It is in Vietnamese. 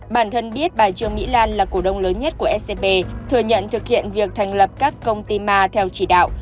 bản thân biết bà trương mỹ lan là cổ đông lớn nhất của scb thừa nhận thực hiện việc thành lập các công ty ma theo chỉ đạo